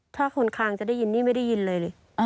ถ้าคนคางจะได้ยินนี่ไม่ได้ยินเลยเลย